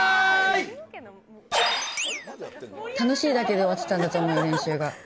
楽しいだけで終わってたんだと思う、練習が。